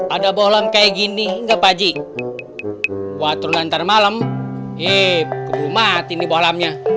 ada bohlam kayak gini nggak pak ji waktu nanti malam eh kebun mati nih bohlamnya